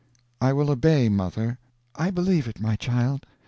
"I will obey, mother." "I believe it, my child.